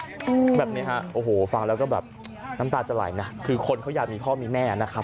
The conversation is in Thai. อืมแบบเนี้ยฮะโอ้โหฟังแล้วก็แบบน้ำตาจะไหลนะคือคนเขาอยากมีพ่อมีแม่นะครับ